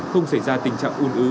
không xảy ra tình trạng un ứ